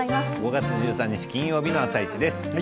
５月１３日金曜日の「あさイチ」です。